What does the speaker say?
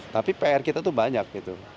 tapi pr kita itu banyak